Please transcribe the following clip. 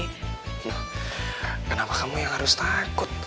hmm kenapa kamu yang harus takut